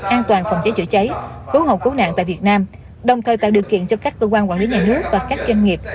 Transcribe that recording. an toàn phòng cháy chữa cháy cứu hộ cứu nạn tại việt nam đồng thời tạo điều kiện cho các cơ quan quản lý nhà nước và các doanh nghiệp